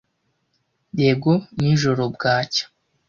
yego nijoro bwacya